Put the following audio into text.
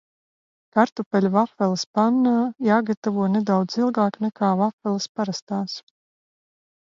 Kartupeļu vafeles pannā jāgatavo nedaudz ilgāk nekā vafeles parastās.